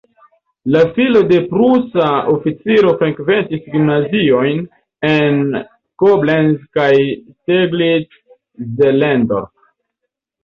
La filo de prusa oficiro frekventis gimnaziojn en Koblenz kaj Steglitz-Zehlendorf.